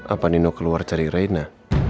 apa nino keluar cari reina